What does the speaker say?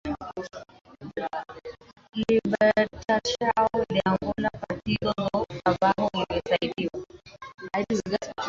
Libertacão de Angola Partido do Trabalho iliyosaidiwa